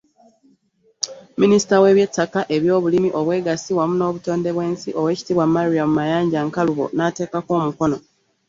Minisita w'ebyettaka, ebyobulimi, obwegassi wamu n'obutonde bw'ensi, Oweekitiibwa Mariam Mayanja Nkalubo n'ateekako omukono